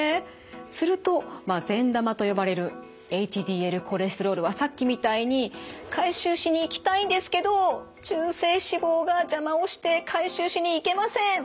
すると善玉と呼ばれるＨＤＬコレステロールはさっきみたいに回収しに行きたいんですけど中性脂肪が邪魔をして回収しに行けません。